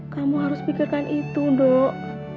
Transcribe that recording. kamu harus pikirkan itu dok